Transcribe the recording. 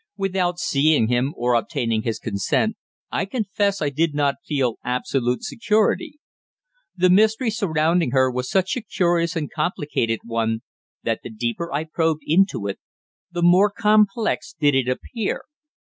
Without seeing him or obtaining his consent, I confess I did not feel absolute security. The mystery surrounding her was such a curious and complicated one that the deeper I probed into it, the more complex did it appear.